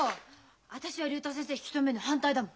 私は竜太先生引き止めんの反対だもん。